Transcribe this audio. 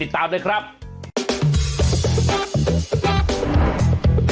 ปู่พญานาคี่อยู่ในกล่อง